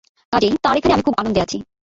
কাজেই তাঁর এখানে আমি খুব আনন্দে আছি।